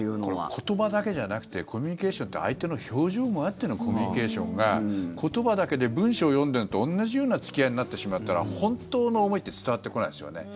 これ、言葉だけじゃなくてコミュニケーションって相手の表情もあってのコミュニケーションが言葉だけで文章を読んでるのと同じような付き合いになってしまったら本当の思いって伝わってこないですよね。